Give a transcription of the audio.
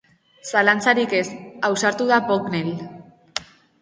Zalantzarik ez, ausartu da Pognel.